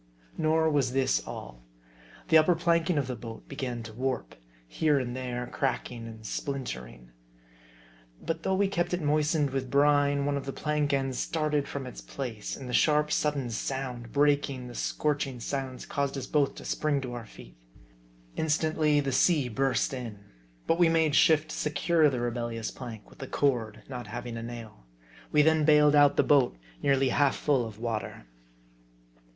Nor was this all. The upper planking of the boat be gan to warp ; here and there, cracking and splintering. But though we kept it moistened with brine, one of the plank ends started from its place ; and the sharp, sudden sound, breaking the scorching silence, caused us both to spring to our feet. Instantly the sea burst in ; but we made shift to secure the rebellious plank with a cord, not having a nail ; we then bailed out the boat, nearly half full of water.